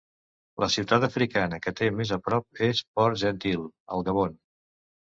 La ciutat africana que té més a prop és Port-Gentil, al Gabon.